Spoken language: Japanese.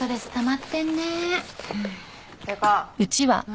ってか何？